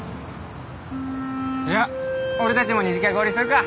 じゃ俺たちも二次会合流するか。